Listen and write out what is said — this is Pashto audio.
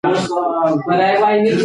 که پوهه وي نو ټولنه نه وروسته پاتې کیږي.